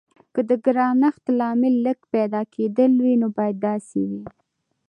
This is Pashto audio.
که د ګرانښت لامل لږ پیدا کیدل وي نو باید داسې وي.